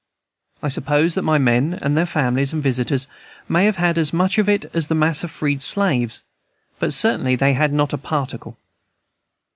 I suppose that my men and their families and visitors may have had as much of it as the mass of freed slaves; but certainly they had not a particle.